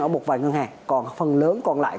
một vài ngân hàng còn phần lớn còn lại